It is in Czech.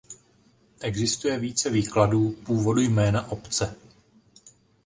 Existuje více výkladů původu jména obce.